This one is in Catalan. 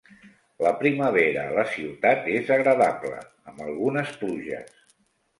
La primavera a la ciutat és agradable, amb algunes pluges.